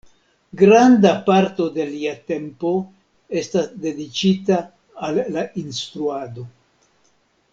Granda parto de lia tempo estas dediĉita al la instruado.